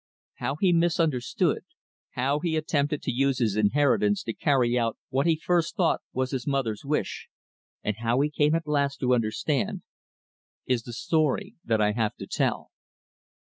How he misunderstood, how he attempted to use his inheritance to carry out what he first thought was his mother's wish, and how he came at last to understand, is the story that I have to tell.